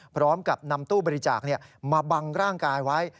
พร้อมกับนำตู้บริจาคมาบังร่างกายไว้